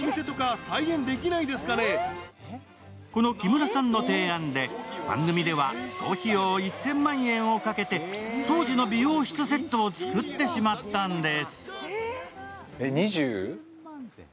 この木村さんの提案で番組では総費用１０００万円をかけて当時の美容室セットをつくってしまったんです。